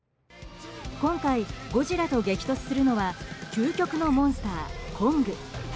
今回、ゴジラと激突するのは究極のモンスター、コング。